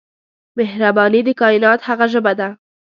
مهرباني د کائنات هغه ژبه ده.